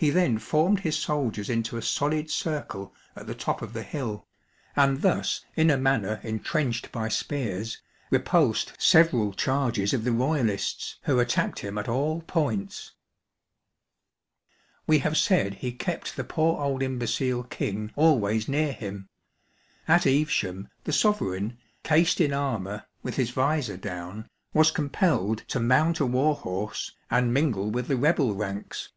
He then formed his soldiers into a solid circle at the top 300 THE BATTLE OF EVESHAM. of the hill, and thus in a manner entrenched \xj spears^ repulsed several charges of the Royalists, who attacked him at all points. We have said he kept the poor old imbecile King always near him. At Evesham, the sovereign, cased in armour, with his vizor down, was compelled to mount a war horse, and mingle with the rebel ranks.